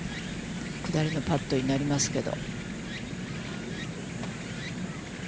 下りのパットになりますけど。